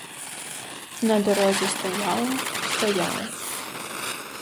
На дорозі стояло, стояло.